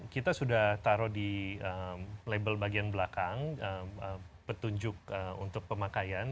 kita sudah taruh di label bagian belakang petunjuk untuk pemakaian